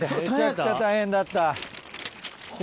めちゃくちゃ大変だった。